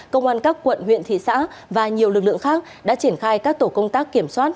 công an các quận huyện thị xã và nhiều lực lượng khác đã triển khai các tổ công tác kiểm soát